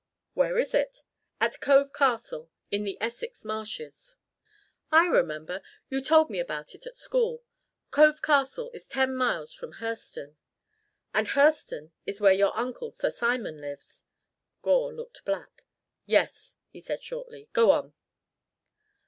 "Where is it?" "At Cove Castle in the Essex Marshes!" "I remember. You told me about it at school. Cove Castle is ten miles from Hurseton." "And Hurseton is where your uncle, Sir Simon, lives." Gore looked black. "Yes," he said shortly. "Go on!"